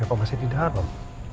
apa masih di dalam